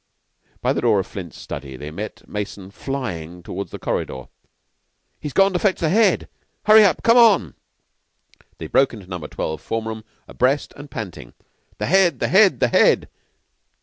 By the door of Flint's study they met Mason flying towards the corridor. "He's gone to fetch the Head. Hurry up! Come on!" They broke into Number Twelve form room abreast and panting. "The Head! The Head! The Head!"